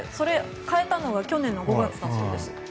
変えたのが去年５月だそうです。